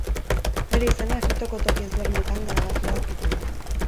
Bere izena, Egiptoko toki ezberdinetan grabatua aurkitu da.